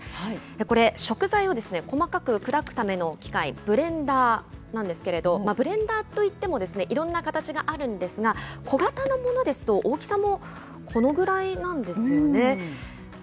これ、食材を細かく砕くための機械、ブレンダーなんですけれど、ブレンダーといっても、いろんな形があるんですが、小型のものですと、大きさもこのぐらいなんですよね。